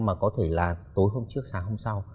mà có thể là tối hôm trước sáng hôm sau